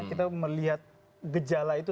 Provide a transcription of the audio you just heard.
kita melihat gejala itu